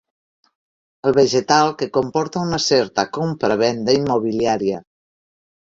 El vegetal que comporta una certa compra-venda immobiliària.